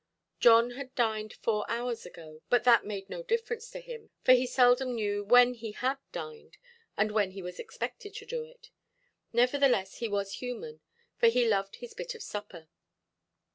John had dined four hours ago, but that made no difference to him, for he seldom knew when he had dined, and when he was expected to do it. Nevertheless he was human, for he loved his bit of supper.